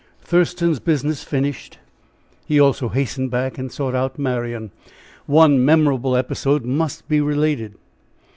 Thurston's business finished he also hastened back and sought out Marian. One memorable episode must be related.